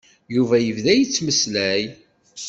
Yuba yebda yettmeslay.